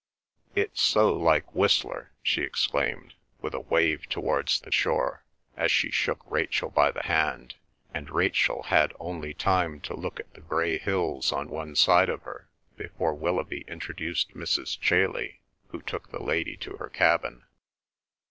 "It's so like Whistler!" she exclaimed, with a wave towards the shore, as she shook Rachel by the hand, and Rachel had only time to look at the grey hills on one side of her before Willoughby introduced Mrs. Chailey, who took the lady to her cabin.